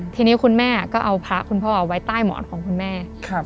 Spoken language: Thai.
ทีนี้คุณแม่ก็เอาพระคุณพ่อเอาไว้ใต้หมอนของคุณแม่